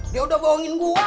dia udah bohongin gua